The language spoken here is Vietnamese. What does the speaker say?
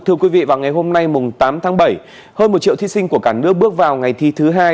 thưa quý vị vào ngày hôm nay tám tháng bảy hơn một triệu thí sinh của cả nước bước vào ngày thi thứ hai